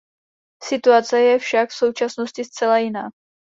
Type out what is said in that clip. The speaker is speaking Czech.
Situace je však v současnosti zcela jiná.